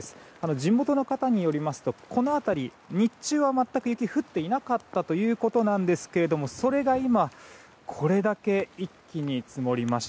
地元の方によりますとこの辺り、日中は全く雪が降っていなかったということですがそれが今、これだけ一気に積もりました。